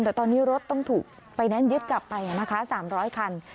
แต่ตอนนี้รถต้องถูกไฟแนนซ์ยึดกลับไปนะคะ๓๐๐คัน